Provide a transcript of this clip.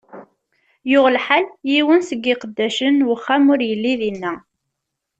Yuɣ lḥal, yiwen seg iqeddacen n uxxam ur illi dinna.